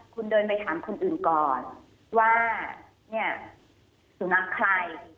คุณเดินไปถามคนอื่นก่อนว่าเนี่ยสุนัขใคร